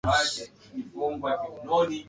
Mababu ya Waturuki wa kisasa makabila ya Oguz ya